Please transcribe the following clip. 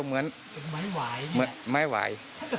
มันเหมือนไม้เดียวเหมือนไม้หวาย